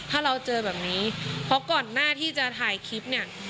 ถ้าเราเจอแบบนี้เพราะก่อนหน้าที่จะถ่ายคลิปเนี่ย